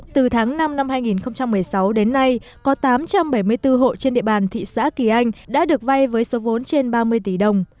từ tháng năm năm hai nghìn một mươi sáu đến nay có tám trăm bảy mươi bốn hộ trên địa bàn thị xã kỳ anh đã được vay với số vốn trên ba mươi tỷ đồng